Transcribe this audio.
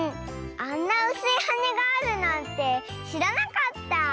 あんなうすいはねがあるなんてしらなかった。